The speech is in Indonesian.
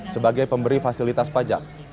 sebagai pemberi fasilitas pajak